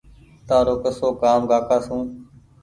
تآرو ڪسو ڪآم ڪاڪا سو